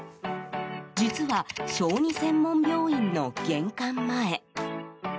実は、小児専門病院の玄関前。